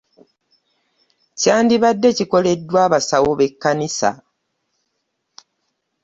Kyandibadde kyakoleddwa abasawo b'ekanissa .